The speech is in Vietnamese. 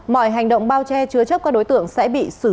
mọi hành động bao che chứa chấp qua đối tượng sẽ bị xử